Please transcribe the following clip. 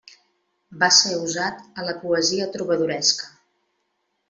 Va ser usat a la poesia trobadoresca.